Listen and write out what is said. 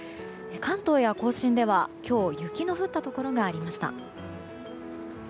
関東や甲信では今日雪の降ったところがありました。